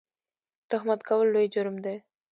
تهمت کول لوی جرم دی